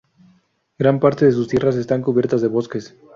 Gran parte de sus tierras están cubiertas de bosques.